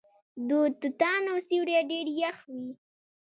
د توتانو سیوری ډیر یخ وي.